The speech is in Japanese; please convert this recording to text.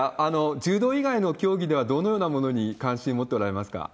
柔道以外の競技では、どのようなものに関心を持っておられますか？